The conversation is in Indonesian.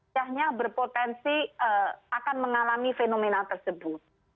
yang berpotensi akan mengalami fenomena tersebut